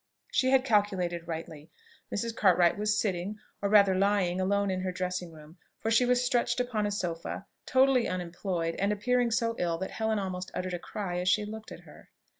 She had calculated rightly. Mrs. Cartwright was sitting, or rather lying, alone in her dressing room; for she was stretched upon a sofa, totally unemployed, and appearing so ill that Helen almost uttered a cry as she looked at her.